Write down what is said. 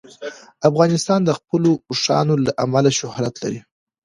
افغانستان د خپلو اوښانو له امله شهرت لري.